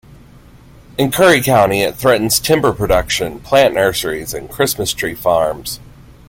In Curry County, it threatens timber production, plant nurseries, and Christmas tree farms.